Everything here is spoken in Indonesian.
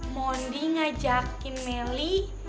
mondi ngajakin meli